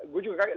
gue juga kayak